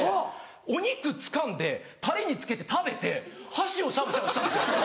お肉つかんでタレにつけて食べて箸をしゃぶしゃぶしたんですよ。